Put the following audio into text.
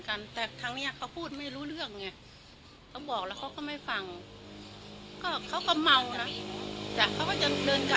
เขามาแกล้งหรออ๋อไม่ได้มาแกล้งแกล้งป่ะที่ว่ามาแย่งแย่ง